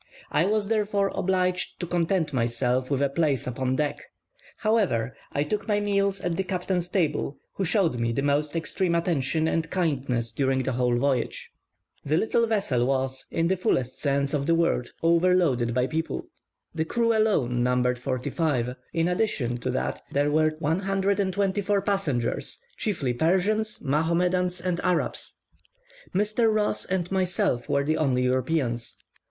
I was, therefore, obliged to content myself with a place upon deck; however, I took my meals at the captain's table, who showed me the most extreme attention and kindness during the whole voyage. The little vessel was, in the fullest sense of the word, overloaded with people; the crew alone numbered forty five; in addition to that there were 124 passengers, chiefly Persians, Mahomedans, and Arabs. Mr. Ross and myself were the only Europeans.